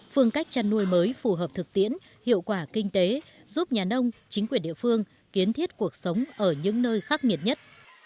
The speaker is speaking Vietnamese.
phương cách chăn nuôi mới phù hợp thực tiễn hiệu quả kinh tế giúp nhà nông chính quyền địa phương kiến thiết cuộc sống ở những nơi khắc nghiệt nhất